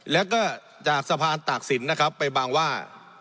แล้วก็จากสะพานตากศิลป์นะครับไปบางว่า